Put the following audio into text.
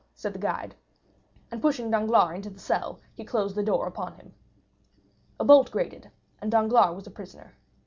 _" said the guide, and pushing Danglars into the cell, he closed the door upon him. A bolt grated and Danglars was a prisoner.